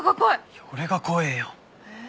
いや俺が怖えよ。